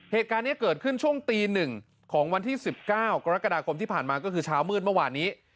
เหตุการณ์นี้เกิดขึ้นช่วงตี๑ของวันที่๑๙กรกฎาคมที่ผ่านมาก็คือเช้ามืดเมื่อวานนี้